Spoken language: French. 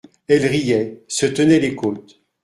Elle riait, se tenait les côtes.